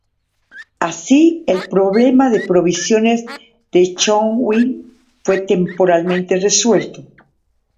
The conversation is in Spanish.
Así, el problema de provisiones de Zhong Hui fue temporalmente resuelto.